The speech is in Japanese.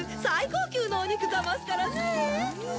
最高級のお肉ざますからねえ。